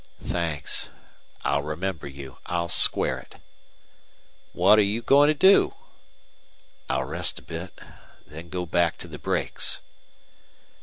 "Thanks. I'll remember you I'll square it." "What 're you goin' to do?" "I'll rest a bit then go back to the brakes."